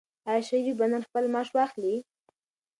آیا شریف به نن خپل معاش واخلي؟